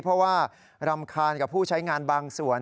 เพราะว่ารำคาญกับผู้ใช้งานบางส่วน